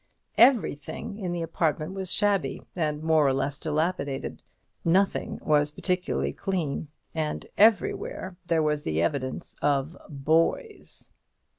Everything in the apartment was shabby, and more or less dilapidated; nothing was particularly clean; and everywhere there was the evidence of boys.